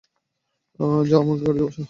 যাও, তাকে গাড়িতে বসাও।